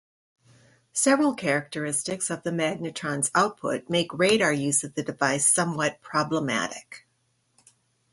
Several characteristics of the magnetron's output make radar use of the device somewhat problematic.